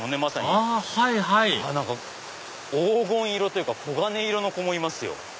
あはいはい黄金色というかこがね色の子もいますよ。